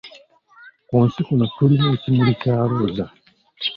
Ku nsi kuno tulina ekimuli kya Looza